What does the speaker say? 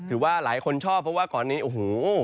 ถือว่าหลายคนชอบเพราะว่าก่อนนี้โอ้โห